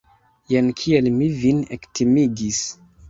Jen kiel mi vin ektimigis!